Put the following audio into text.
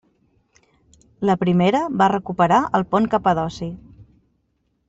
La primera va recuperar el Pont Capadoci.